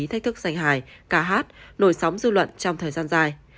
thách thức xanh hài ca hát nổi sóng dư luận trong thời gian dài